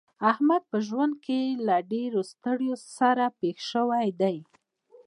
احمد په ژوند کې له ډېرو ستړو سره پېښ شوی دی.